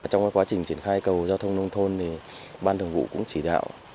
trong quá trình triển khai cầu giao thông nông thôn ban thường vụ cũng chỉ đạo